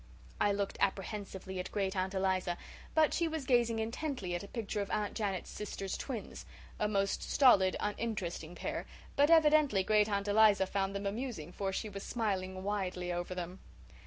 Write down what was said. I looked apprehensively at Great aunt Eliza; but she was gazing intently at a picture of Aunt Janet's sister's twins, a most stolid, uninteresting pair; but evidently Great aunt Eliza found them amusing for she was smiling widely over them.